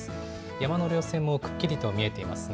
山の稜線もくっきりと見えていますね。